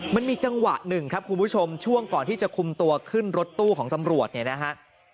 มันมีจังหวะหนึ่งครับคุณผู้ชมช่วงก่อนที่จะคุมตัวขึ้นรถตู้ของตำรวจเนี่ยนะฮะ